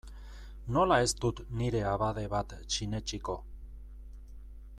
Nola ez dut nire abade bat sinetsiko?